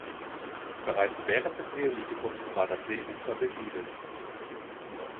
Bereits während des Neolithikums war das Seeufer besiedelt.